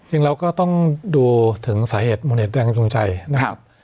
จริงเราก็ต้องดูถึงสาเหตุมงเนตแรงจงใจนะครับ